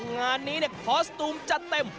งานนี้เนี่ยคอสตูมจะเต็ม